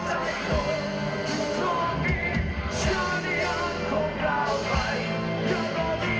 จากนั้นที่มีความเหมือนกันต้องเป็นเหลือใต้เส้นทางนี้